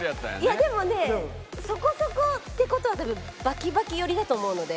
いやでもねそこそこって事は多分バキバキ寄りだと思うので。